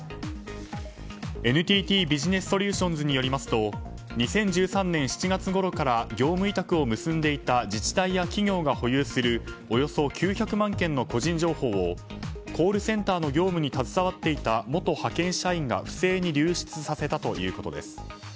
ＮＴＴビジネスソリューションズによりますと２０１３年７月ごろから業務委託を結んでいた自治体や企業が保有するおよそ９００万件の個人情報をコールセンターの業務に携わっていた元派遣社員が不正に流出させたということです。